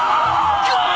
くっ。